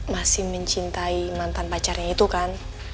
masih mencintai mantan pacarnya itu kan